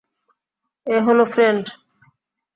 এ হলো ফ্রেড।